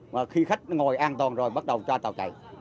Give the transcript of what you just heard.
và khi khách ngồi an toàn rồi bắt đầu cho tàu chạy